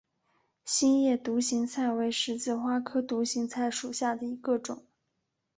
心叶独行菜为十字花科独行菜属下的一个种。